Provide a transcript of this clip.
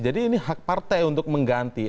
jadi ini hak partai untuk mengganti